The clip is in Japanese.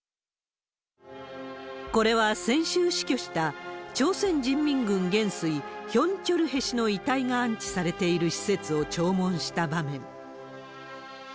これは、先週死去した朝鮮人民軍元帥、ヒョン・チョルへ氏の遺体が安置されている施設を弔問した場面。